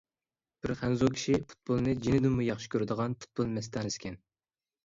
بىر خەنزۇ كىشى پۇتبولنى جېنىدىنمۇ ياخشى كۆرىدىغان پۇتبول مەستانىسىكەن.